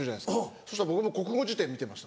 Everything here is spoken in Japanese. そしたら僕も国語辞典見てました。